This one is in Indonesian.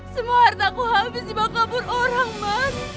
semua harta aku habis dibawa kabur orang mas